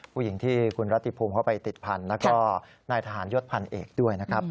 ผู้หญิงที่คุณรัติภูมิเข้าไปติดพันธุ์แล้วก็นายทหารยศพันเอกด้วยนะครับ